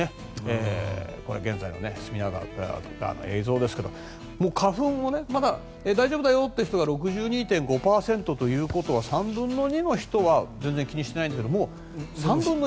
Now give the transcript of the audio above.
これ、現在の隅田川の映像ですが花粉、まだ大丈夫だよという人が６２．５％ということは３分の２の人は全然気にしてないんだけど３分の１。